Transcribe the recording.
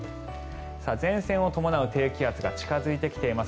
前線を伴う低気圧が近付いてきています。